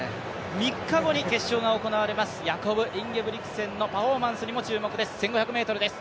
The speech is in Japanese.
３日後に決勝が行われます、ヤコブ・インゲブリクセンのパフォーマンスにも注目です、１５００ｍです。